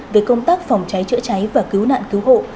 về công tác phòng cháy chữa cháy và cứu nạn cứu hộ